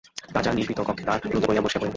রাজা নিভৃত কক্ষে দ্বার রুদ্ধ করিয়া বসিয়া পড়িলেন।